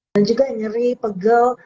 dan juga ngeri pegel